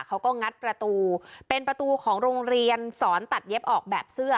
งัดประตูเป็นประตูของโรงเรียนสอนตัดเย็บออกแบบเสื้อ